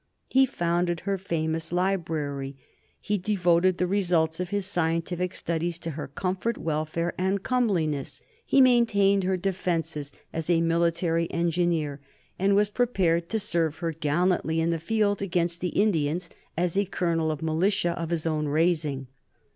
He founded her famous library; he devoted the results of his scientific studies to her comfort, welfare, and comeliness; he maintained her defences as a military engineer, and was prepared to serve her gallantly in the field against the Indians as a colonel of Militia of his own raising.